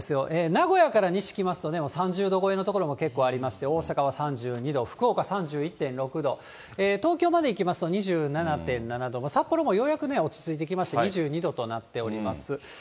名古屋から西来ますとね、３０度超えの所も結構ありまして、大阪は３２度、福岡３１．６度、東京まで行きますと２７．７度、札幌もようやく落ち着いてきまして、２２度となっております。